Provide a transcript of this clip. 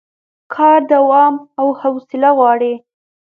کار دوام او حوصله غواړي